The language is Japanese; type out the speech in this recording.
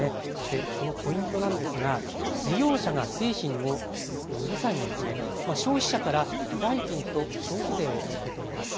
そのポイントなんですが事業者が製品を売る際に消費者から代金と消費税を受け取ります。